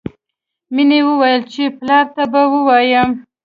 مینې وویل چې پلار ته به ووایم